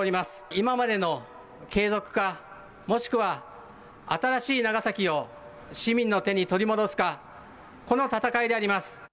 今までの継続か、もしくは新しい長崎を市民の手に取り戻すか、この戦いであります。